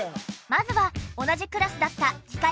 まずは同じクラスだった。